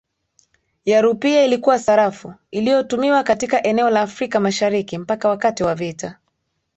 ya rupia Ilikuwa sarafu iliyotumiwa katika eneo la Afrika Mashariki mpaka wakati wa vita